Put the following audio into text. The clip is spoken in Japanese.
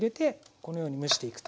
このように蒸していくと。